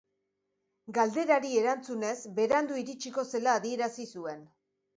Galderari erantzunez, berandu iritsiko zela adierazi zuen.